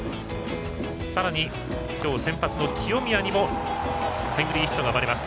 さらに、今日先発の清宮にもタイムリーヒットが生まれます。